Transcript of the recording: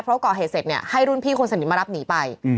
เพราะก่อเหตุเสร็จเนี่ยให้รุ่นพี่คนสนิทมารับหนีไป